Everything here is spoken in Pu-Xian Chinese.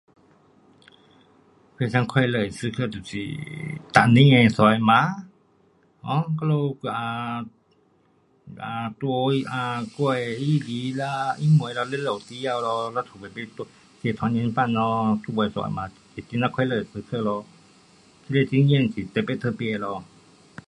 非常快乐的时刻就是每年的三十晚，um 我们,啊，啊，在那，我的 um um 啦 um um 啦，全部有回家咯，咱就准备去吃团圆饭咯，出外吃饭，会很呀快乐的时刻咯，这个经验是很呀特别咯。